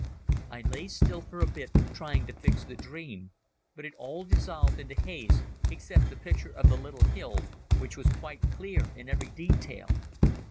I lay still for a bit trying to fix the dream, but it all dissolved into haze except the picture of the little hill, which was quite clear in every detail.